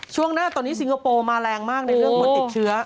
ช่วงหน้าตอนนี้สิงคโปร์มาแรงมากในเรื่องคนติดเชื้อ